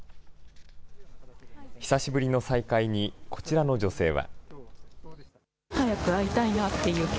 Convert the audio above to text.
久しぶりの再開にこちらの女性は。